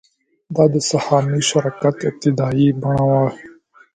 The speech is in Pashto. دا د سهامي شرکت ابتدايي بڼه وه